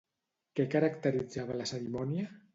Què caracteritzava la cerimònia?